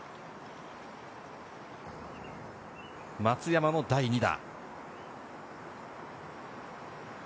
松山の第２打。